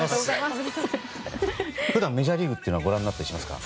普段メジャーリーグはご覧になりますか？